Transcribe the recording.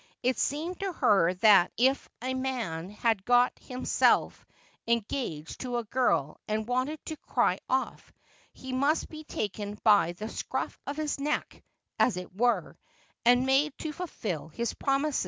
It seemed to her that if a man had got himself engaged to a girl, and wanted to cry off, he must be taken by the scruff off his neck, as it were, and made to fulfil his promise.